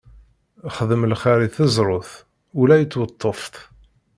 Xdem lxiṛ i teẓrut, ula i tweṭṭuft!